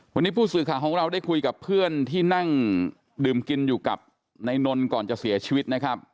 วันนี้ผู้สื่อข่าวของเราได้คุยกับเพื่อนที่นั่งดื่มกินอยู่กับนายนนท์ก่อนจะเสียชีวิตนะครับ